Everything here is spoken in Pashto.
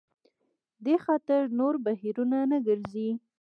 دې خاطر نور بهیرونه نه ګرځي.